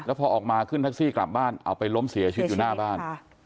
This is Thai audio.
พอออกมาขึ้นแท็กซี่กลับบ้านเอาไปล้มเสียชีวิตอยู่หน้าบ้าน